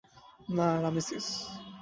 না, রামেসিস।